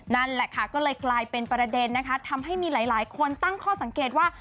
นั่นแหละค่ะก็เลยกลายเป็นประเด็นนะคะทำให้มีหลายคนตั้งข้อสังเกตว่า